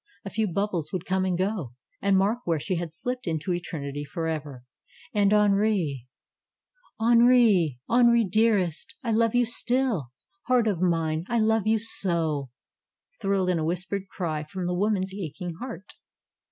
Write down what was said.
A few hubbies would come and go and mark where she had slipped into Eternity forever ! And Henri ! Henri! Henri, dearest! I love you still! Heart of mine, I love you so thrilled in a whispered cry from the woman's aching heart.